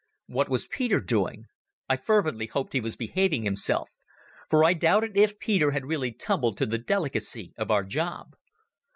What was Peter doing? I fervently hoped he was behaving himself, for I doubted if Peter had really tumbled to the delicacy of our job.